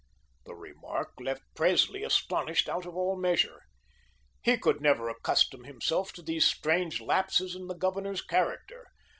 The remark left Presley astonished out of all measure He never could accustom himself to these strange lapses in the Governor's character.